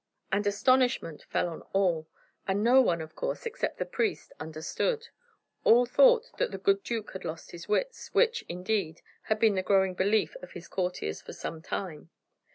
And astonishment fell on all, and no one, of course, except the priest, understood. All thought that the good duke had lost his wits, which, indeed, had been the growing belief of his courtiers for some time.